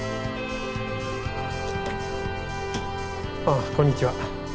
あこんにちは。